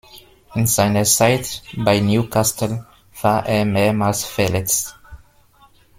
In seiner Zeit bei Newcastle war er mehrmals verletzt.